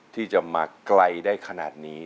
ที่จะมาไกลได้ขนาดนี้